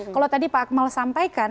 kalau tadi pak akmal sampaikan